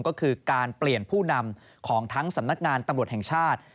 ก็คือการเปลี่ยนผู้นำของทั้งสำนักงานตำรวจแห่งชาติ